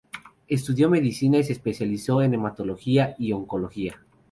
Estudió medicina y se especializó en hematología y oncología.